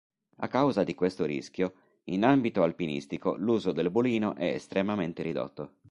A causa di questo rischio in ambito alpinistico l'uso del bulino è estremamente ridotto.